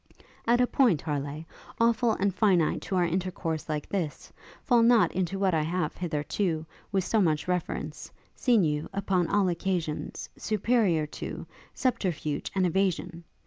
'At a period, Harleigh, awful and finite to our intercourse like this, fall not into what I have hitherto, with so much reverence, seen you, upon all occasions, superiour to, subterfuge and evasion!